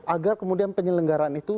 agar kemudian penyelenggaran itu